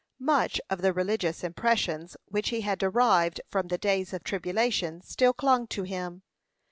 Much of the religious impressions which he had derived from the days of tribulation still clung to him.